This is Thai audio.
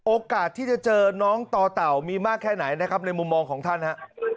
โอกาสที่จะเจอน้องต่อเต่ามีมากแค่ไหนนะครับในมุมมองของท่านฮะ